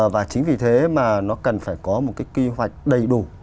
và chính vì thế mà nó cần phải có một cái kế hoạch đầy đủ